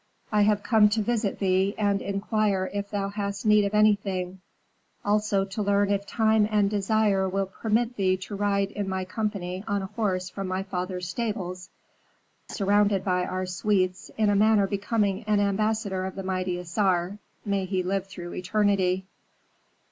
I have come to visit thee and inquire if thou hast need of anything, also to learn if time and desire will permit thee to ride in my company on a horse from my father's stables, surrounded by our suites in a manner becoming an ambassador of the mighty Assar, may he live through eternity!"